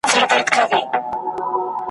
را تېر سوی وي په کلیو په بانډو کي `